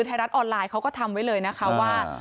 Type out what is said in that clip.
ไทยรัฐออนไลน์เขาก็ทำไว้เลยนะคะว่า